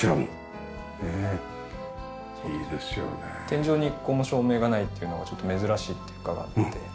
天井に一個も照明がないっていうのはちょっと珍しいって伺って。